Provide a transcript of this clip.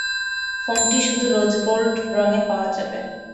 ফোনটি শুধু rose gold রঙে পাওয়া যাবে।